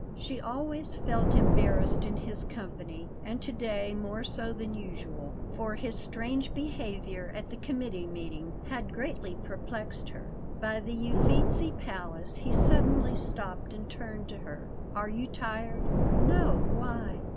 She always felt embarrassed in his company, and to day more so than usual, for his strange behaviour at the committee meeting had greatly perplexed her. By the Uffizi palace he suddenly stopped and turned to her. "Are you tired?" "No; why?"